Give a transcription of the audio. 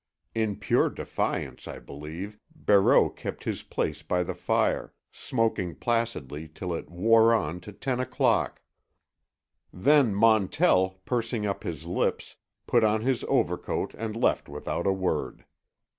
In pure defiance, I believe, Barreau kept his place by the fire, smoking placidly till it wore on to ten o'clock. Then Montell, pursing up his lips, put on his overcoat and left without a word.